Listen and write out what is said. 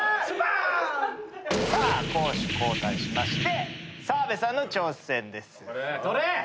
さあ攻守交代しまして澤部さんの挑戦です。